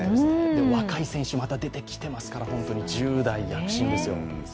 若い選手、また出てきてますから１０代躍進ですよ。